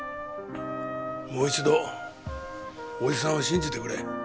もう一度おじさんを信じてくれ。